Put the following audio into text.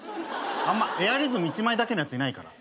あんまエアリズム１枚だけのやついないから。